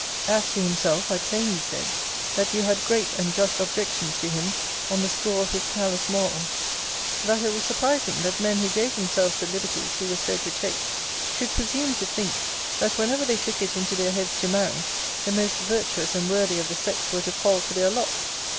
As to himself, I plainly said, That you had great and just objections to him on the score of his careless morals: that it was surprising, that men who gave themselves the liberties he was said to take, should presume to think, that whenever they took it into their heads to marry, the most virtuous and worthy of the sex were to fall to their lot.